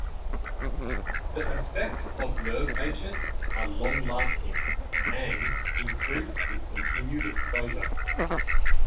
The effects of nerve agents are long lasting and increase with continued exposure.